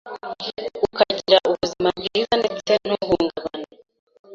ukagira ubuzima bwiza ndetse ntuhungabane